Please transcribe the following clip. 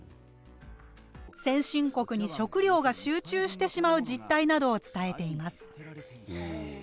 先進国に食料が集中してしまう実態などを伝えています。